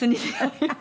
ハハハハ。